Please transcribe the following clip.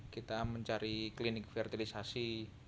kita mencari klinik fertilisasi